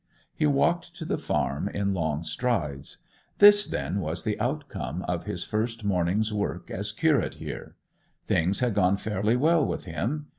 He walked to the farm in long strides. This, then, was the outcome of his first morning's work as curate here. Things had gone fairly well with him.